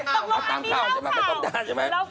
ต้องลงอันนี้เล่าข่าวไม่ต้องด่าใช่ไหม